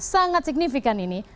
sangat signifikan ini